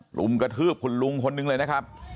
รุมกระทืบคุณลุงคนนึงเลยนะครับ